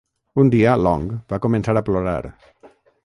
Un dia, Long va començar a plorar.